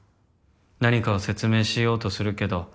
「何かを説明しようとするけど」